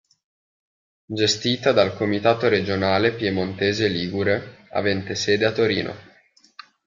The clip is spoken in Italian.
Gestita dal "Comitato Regionale Piemontese-ligure" avente sede a Torino.